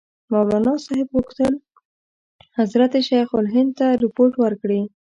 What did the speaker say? مولناصاحب غوښتل حضرت شیخ الهند ته رپوټ ورکړي.